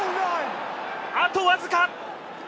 あとわずか！